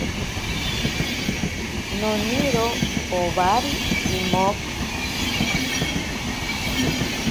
Noniro owari emoki.